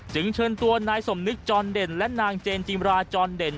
เชิญตัวนายสมนึกจรเด่นและนางเจนจิมราจรเด่น